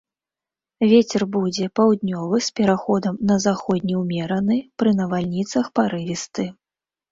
Вецер будзе паўднёвы з пераходам на заходні ўмераны, пры навальніцах парывісты.